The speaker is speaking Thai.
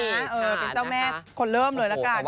เป็นเจ้าแม่คนเริ่มเลยละกัน